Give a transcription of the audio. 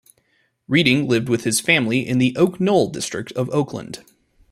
Reading lived with his family in the Oak Knoll District of Oakland.